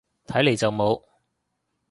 睇嚟就冇